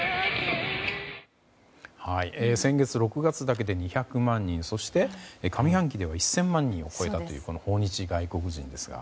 先月６月だけで２００万人そして、上半期では１０００万人を超えたという訪日外国人ですが。